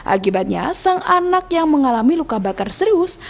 akibatnya sang anak yang mengalami luka bakar serius